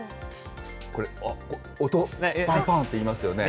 これ、音、ぱんぱんっていいますよね。